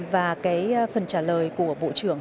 và phần trả lời của bộ trưởng